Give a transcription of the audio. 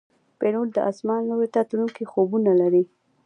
پیلوټ د آسمان لور ته تلونکي خوبونه لري.